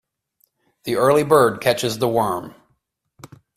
The early bird catches the worm.